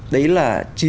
đấy là chín mươi